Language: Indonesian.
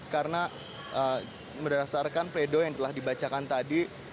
karena berdasarkan pledo yang telah dibacakan tadi